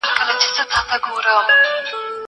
زه به سبا ته فکر کړی وي!!